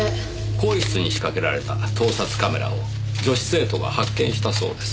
更衣室に仕掛けられた盗撮カメラを女子生徒が発見したそうです。